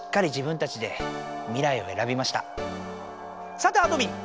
さてあどミン。